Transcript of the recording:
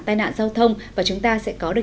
tai nạn giao thông và chúng ta sẽ có được